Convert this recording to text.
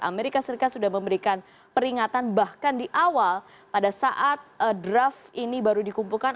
amerika serikat sudah memberikan peringatan bahkan di awal pada saat draft ini baru dikumpulkan